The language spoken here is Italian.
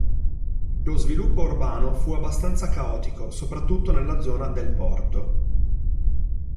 Lo sviluppo urbano fu abbastanza caotico, soprattutto nella zona del porto.